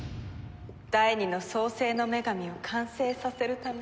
第２の創世の女神を完成させるために。